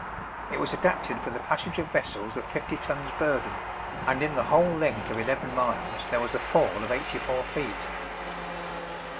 It was adapted for the passage of vessels of 50 tons burden; and in the whole length of 11 miles there was a fall of 84 feet.